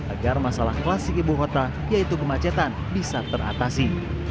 agar masalah klasik ibu kota yaitu kemacetan bisa teratasi